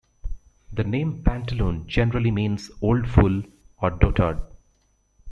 The name Pantaloon generally means "old fool" or "dotard".